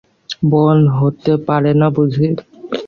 বোন হতে পারে না বুঝি!